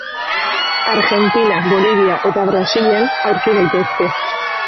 Argentina, Bolivia eta Brasilen aurki daitezke.